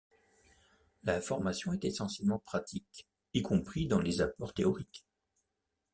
La formation est essentiellement pratique, y compris dans les apports théoriques.